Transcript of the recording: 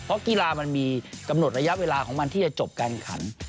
เพราะกีฬามันมีกำหนดระยะเวลาของมันที่จะจบการขัน